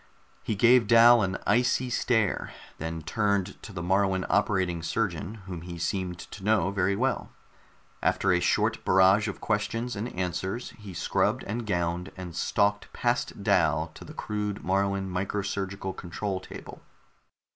He gave Dal an icy stare, then turned to the Moruan operating surgeon, whom he seemed to know very well. After a short barrage of questions and answers, he scrubbed and gowned, and stalked past Dal to the crude Moruan micro surgical control table.